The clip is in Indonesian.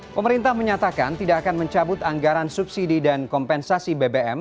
pemerintah menyatakan tidak akan mencabut anggaran subsidi dan kompensasi bbm